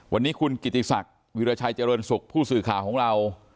วันนี้คุณกิติศักดิ์วิราชัยเจริญสุขผู้สื่อข่าวของเรา